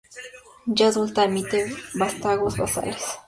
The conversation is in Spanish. Ya adulta emite vástagos basales.